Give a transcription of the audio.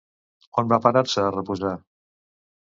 On va parar-se a reposar?